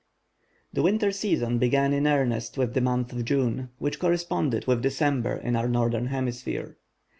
The winter season began in earnest with the month of June, which corresponded with December in our northern hemisphere.